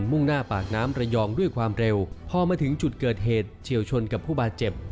มุ่งหน้าปากน้ำระยองด้วยความเร็วพอมาถึงจุดเกิดเหตุเฉียวชนกับผู้บาดเจ็บ